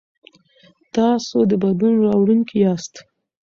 تاسو د بدلون راوړونکي یاست.